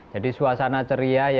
jadi suasana ceria yang dibawa